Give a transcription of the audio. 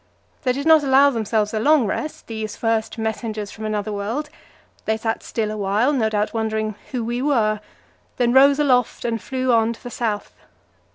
They did not allow themselves a long rest, these first messengers from another world; they sat still a while, no doubt wondering who we were, then rose aloft and flew on to the south.